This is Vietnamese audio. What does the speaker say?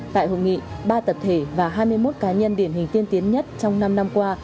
tại hội nghị ba tập thể và hai mươi một cá nhân điển hình tiên tiến nhất trong năm năm qua